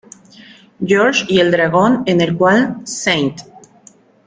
George y el dragón, en el cual St.